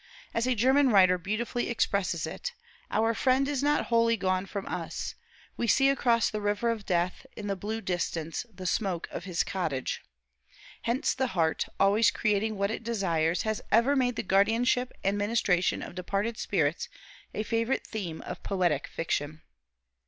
As a German writer beautifully expresses it, "Our friend is not wholly gone from us; we see across the river of death, in the blue distance, the smoke of his cottage;" hence the heart, always creating what it desires, has ever made the guardianship and ministration of departed spirits a favorite theme of poetic fiction.